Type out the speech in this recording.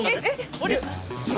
あれ。